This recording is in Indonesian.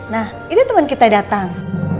nah ini teman kita datang